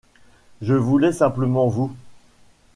Je voulais simplement vous…